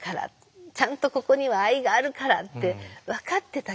ちゃんとここには愛があるから」って分かってたけど。